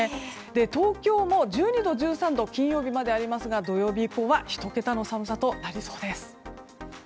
東京も１２度、１３度と金曜日までありますが土曜日以降は１桁の寒さとなりそうです。